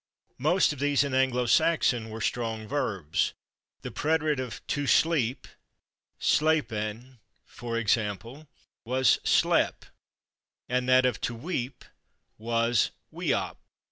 Most of these, in Anglo Saxon, were strong verbs. The preterite of /to sleep/ (/slâepan/), for example, was /slēp/, and that of /to weep/ was /weop